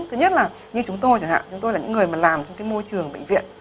thứ nhất là như chúng tôi chẳng hạn chúng tôi là những người mà làm trong cái môi trường bệnh viện